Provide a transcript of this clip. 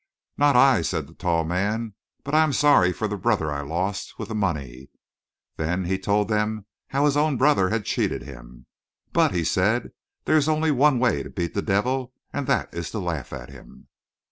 "'Not I,' said the tall man, 'but I am sorry for the brother I lost with the money.' Then he told them how his own brother had cheated him. 'But,' he said, 'there is only one way to beat the devil, and that is to laugh at him.'